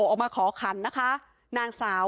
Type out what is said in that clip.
ออกมาขอขันนะคะนางสาว